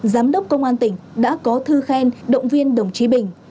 giám đốc công an tỉnh đã có thư khen động viên đồng chí bình